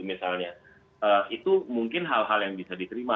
misalnya itu mungkin hal hal yang bisa diterima